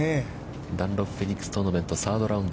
ダンロップフェニックストーナメント、サードラウンド。